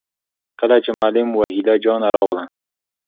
کله چې معلم وحيده جانه راغله